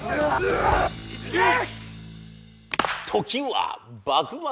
時は幕末。